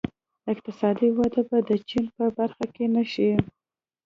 اقتصادي وده به د چین په برخه نه شي.